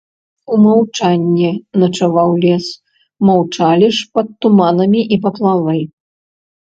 У маўчанні начаваў лес, маўчалі ж пад туманамі і паплавы.